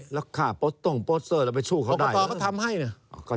รักษาโปสเตอร์ไปชู่เขาได้เหรออ๋อทำให้เนี่ย